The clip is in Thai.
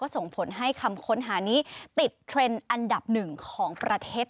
ส่งผลให้คำค้นหานี้ติดเทรนด์อันดับหนึ่งของประเทศ